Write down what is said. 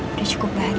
udah cukup bahagia kok